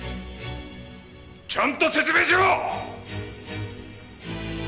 ちゃんと説明しろ！